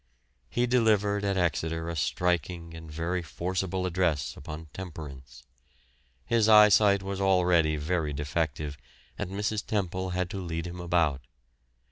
He delivered at Exeter a striking and very forcible address upon temperance. His eyesight was already very defective and Mrs. Temple had to lead him about.